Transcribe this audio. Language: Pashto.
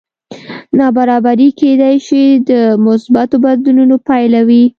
نابرابري کېدی شي د مثبتو بدلونونو پایله وي